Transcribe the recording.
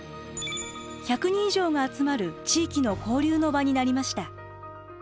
１００人以上が集まる地域の交流の場になりました。